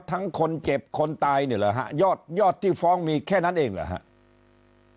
ทั้งคนเจ็บคนตายเนี่ยเหรอฮะยอดยอดที่ฟ้องมีแค่นั้นเองเหรอครับ